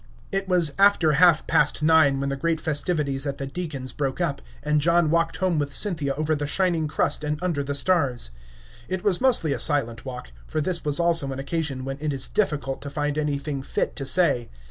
It was after half past nine when the great festivities at the Deacon's broke up, and John walked home with Cynthia over the shining crust and under the stars. It was mostly a silent walk, for this was also an occasion when it is difficult to find anything fit to say.